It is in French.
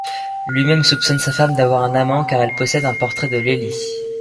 Lui-même soupçonne sa femme d'avoir un amant, car elle possède un portrait de Lélie.